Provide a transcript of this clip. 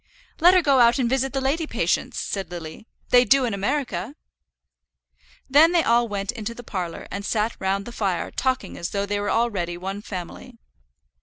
"Let her go out and visit the lady patients," said Lily. "They do in America." Then they all went into the parlour and sat round the fire talking as though they were already one family.